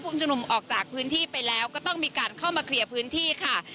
นุมออกจากพื้นที่ไปแล้วก็ต้องมีการเข้ามาเคลียร์พื้นที่ค่ะ